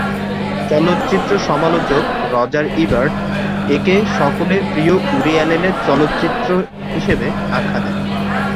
চলচ্চিত্র সমালোচক Roger Ebert একে "সকলের প্রিয় উডি অ্যালেনের চলচ্চিত্র" হিসেবে আখ্যা দেন।